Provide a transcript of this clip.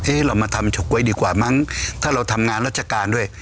เรามาทำเฉาก๊วยดีกว่ามั้งถ้าเราทำงานราชการด้วย